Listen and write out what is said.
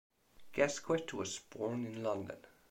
Gasquet was born in London.